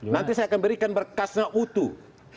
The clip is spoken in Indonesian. nanti saya akan berikan berkasnya utuh